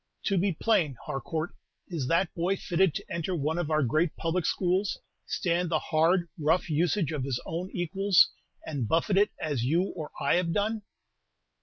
To be plain, Harcourt, is that boy fitted to enter one of our great public schools, stand the hard, rough usage of his own equals, and buffet it as you or I have done?"